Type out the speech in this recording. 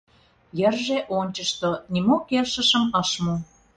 Йырже ончышто — нимо келшышым ыш му.